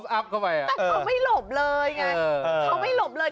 แต่เขาไม่หลบเลยไงเขาไม่หลบเลย